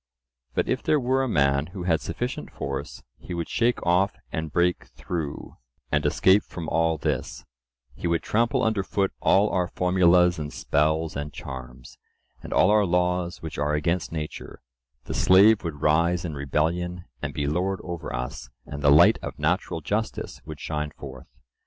But if there were a man who had sufficient force, he would shake off and break through, and escape from all this; he would trample under foot all our formulas and spells and charms, and all our laws which are against nature: the slave would rise in rebellion and be lord over us, and the light of natural justice would shine forth.